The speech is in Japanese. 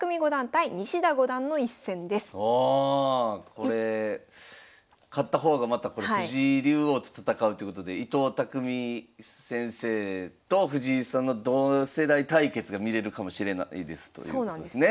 これ勝った方がまたこの藤井竜王と戦うってことで伊藤匠先生と藤井さんの同世代対決が見れるかもしれないですということですね。